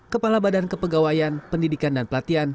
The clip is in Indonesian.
kepala badan kepegawaian pendidikan dan pelatihan